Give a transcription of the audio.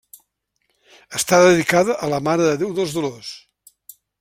Està dedicada a la Mare de Déu dels Dolors.